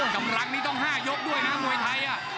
กำลังนี่ต้อง๕ยกด้วยนะมวยไทย